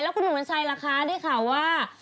แล้วคุณหนุ่มกัญชัยล่ะคะนี่คะว่า